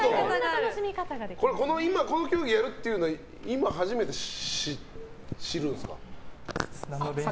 この競技をやるというのは今初めて知るんですか？